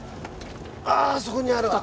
あそこにあるわ。